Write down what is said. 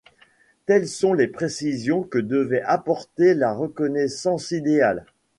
Telles sont les précisions que devait apporter la reconnaissance idéale.